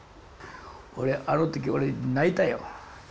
俺あの時俺泣いたよ。